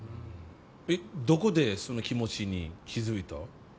どこでその気持ちに気づいた？